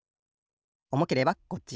おもければこっち。